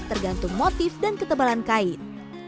tergantung motif dan ketebalan kain